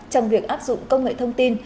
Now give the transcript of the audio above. trong việc áp dụng công nghệ thông tin